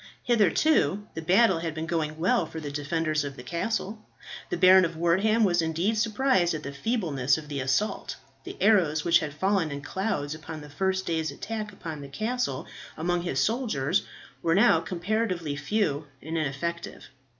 Hitherto the battle had been going well for the defenders of the castle. The Baron of Wortham was indeed surprised at the feebleness of the assault. The arrows which had fallen in clouds upon the first day's attack upon the castle among his soldiers were now comparatively few and ineffective.